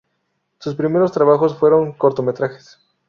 Sus primeros trabajos fueron cortometrajes.